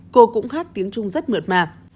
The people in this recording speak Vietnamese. cô cũng hát tiếng trung rất mượt mạc